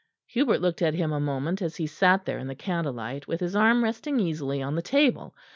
Hubert looked at him a moment as he sat there in the candlelight, with his arm resting easily on the table.